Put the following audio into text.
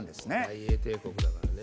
大英帝国だからね。